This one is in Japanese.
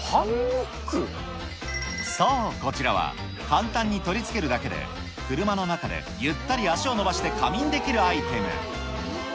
そう、こちらは、簡単に取り付けるだけで、車の中でゆったり足を伸ばして仮眠できるアイテム。